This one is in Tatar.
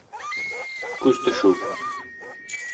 Күз төшү.